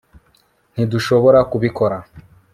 ntidushobora kubikora